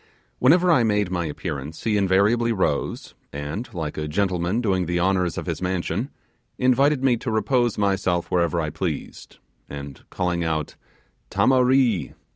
Whenever I made my appearance he invariably rose, and like a gentleman doing the honours of his mansion, invited me to repose myself wherever I pleased, and calling out 'tamaree!